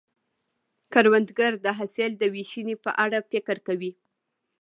کروندګر د حاصل د ویشنې په اړه فکر کوي